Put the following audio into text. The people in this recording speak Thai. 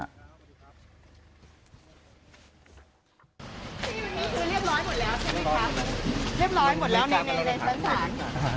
ทีนี้คือเรียบร้อยหมดแล้วใช่ไหมคะเรียบร้อยหมดแล้วในในชั้นศาล